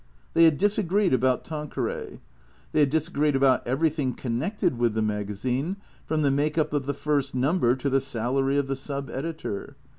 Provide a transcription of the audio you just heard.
They had disagreed about Tanqueray. They had disagreed about everything connected with the magazine, from the make up of the first number to the salary of the sub editor.